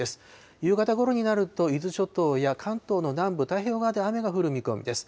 夕方ごろになると、伊豆諸島や関東の南部、太平洋側で雨が降る見込みです。